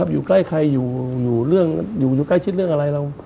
อยู่ใกล้ใครอยู่ใกล้ชิดเรื่องอะไร